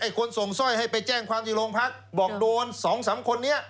คนส่งสร้อยให้ไปแจ้งความที่โรงพักบอกโดนสองสามคนนี้